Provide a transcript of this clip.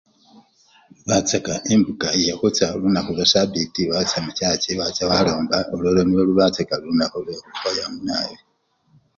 Ibechanga lunakhu lwa sabiiti wacha muchachi walomba elwo nilwo lubechanga lunakhu lwekumwikhoyo nabii